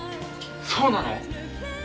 そうなの？